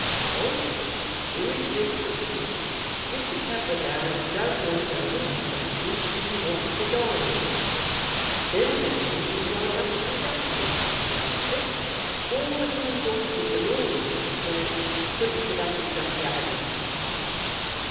"Well; Billy says to me: 'Mr. Camperdown don't want no hinformation; he wants the diamonds. Them diamonds is like 'Umpty Dumpty, Mr. Bunfit. All the king's horses and all the king's men couldn't put 'Umpty Dumpty up again.'"